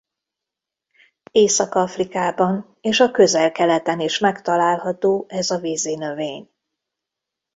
Észak-Afrikában és a Közel-Keleten is megtalálható ez a vízinövény.